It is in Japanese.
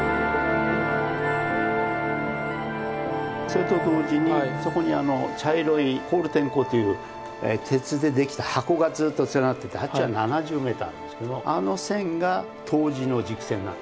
それと同時にそこにあの茶色いコールテン鋼という鉄で出来た箱がずっと連なっててあっちは７０メーターあるんですけどもあの線が冬至の軸線なんですよね。